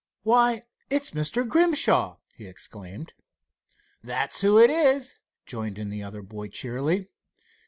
"Why, it's Mr. Grimshaw!" he exclaimed. "That's who it is," joined in the other boy cheerily.